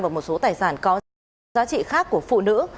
và một số tài sản có giá trị khác của phụ nữ